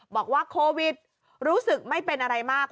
บอกว่าโควิดรู้สึกไม่เป็นอะไรมาก